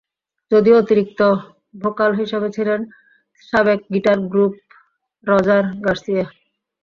যদিও অতিরিক্ত ভোকাল হিসাবে ছিলেন সাবেক গিটার গ্রুপ রজার গার্সিয়া।